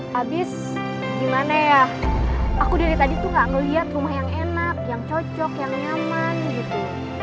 habis gimana ya aku dari tadi tuh gak ngeliat rumah yang enak yang cocok yang nyaman gitu